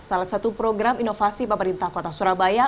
salah satu program inovasi pemerintah kota surabaya